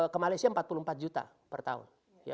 ke malaysia empat puluh empat juta per tahun